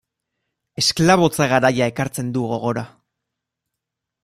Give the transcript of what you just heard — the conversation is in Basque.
Esklabotza garaia ekartzen du gogora.